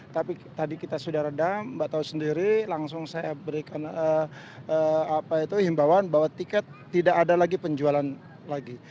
tapi tadi kita sudah redam mbak tahu sendiri langsung saya berikan himbawan bahwa tiket tidak ada lagi penjualan lagi